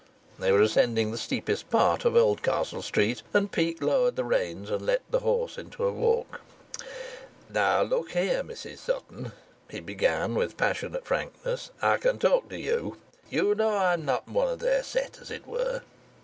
They were ascending the steepest part of Oldcastle Street, and Peake lowered the reins and let the horse into a walk. "Now look here, Mrs Sutton," he began, with passionate frankness, "I can talk to you. You know me; you know I'm not one of their set, as it were.